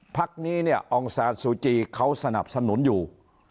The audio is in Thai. พักนี้องศาสุจริเขาสนับสนุนอยู่